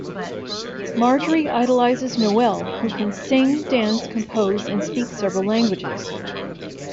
Marjorie idolizes Noel, who can sing, dance, compose, and speak several languages.